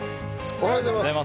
おはようございます。